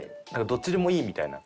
どっちでもいいみたいな。